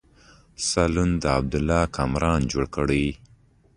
سالون د عبدالله کامران جوړ کړی.